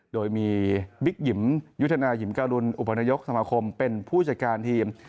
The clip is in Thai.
โดยมีบิ๊กหยิมยุทธนายิมการุณอุปนายกสมาคมเป็นผู้จัดการทีม